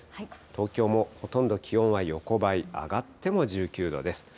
東京もほとんど気温は横ばい、上がっても１９度です。